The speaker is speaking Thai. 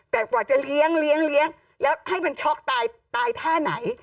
แต่กว่าจะเลี้ยงแล้วให้มันช็อกตายตายท่าไหน